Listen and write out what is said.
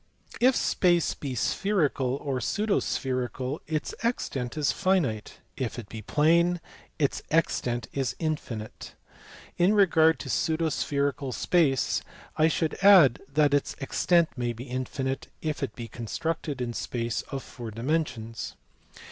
If space be spherical or pseudo spherical, its extent is finite ; if it be plane, its extent is infinite. In regard to pseudo spherical space, I should add that its extent may be infinite, if it be constructed in space of four dimensions.